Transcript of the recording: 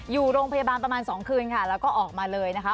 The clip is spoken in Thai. อยู่โรงพยาบาลประมาณ๒คืนค่ะแล้วก็ออกมาเลยนะคะ